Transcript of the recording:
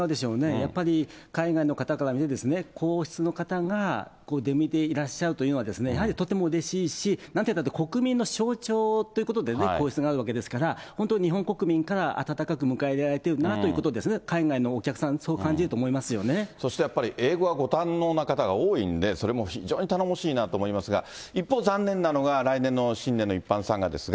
やっぱり海外の方から見ると、皇室の方が出向いていらっしゃるというのは、やはりとてもうれしいし、なんといったって国民の象徴ということで皇室があるわけですから、本当、日本国民から温かく迎えられているなと、海外のお客さん、そう感そしてやっぱり英語がご堪能な方が多いんで、それも非常に頼もしいなと思いますが、一方、残念なのが来年の新年の一般参賀ですが。